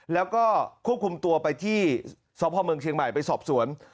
แล้วก็ควบคุมตัวไปที่สพเมืองเชียงใหม่ไปสอบสวน